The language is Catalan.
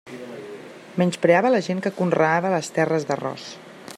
Menyspreava la gent que conreava les terres d'arròs.